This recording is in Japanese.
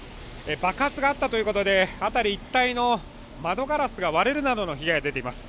爆発があったということで、辺り一帯の窓ガラスが割れるなどの被害が出ています。